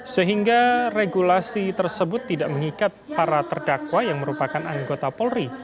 sehingga regulasi tersebut tidak mengikat para terdakwa yang merupakan anggota polri